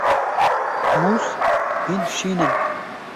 Mûz hîn şîn in.